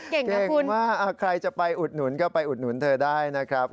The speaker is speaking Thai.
เก่งมากใครจะไปอุดหนุนก็ไปอุดหนุนเธอได้นะครับ